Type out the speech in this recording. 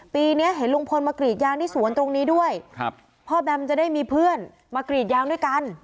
ปีนี้เห็นลุงพลมากรีดยางที่สวนตรงนี้ด้วยครับพ่อแบมจะได้มีเพื่อนมากรีดยางด้วยกัน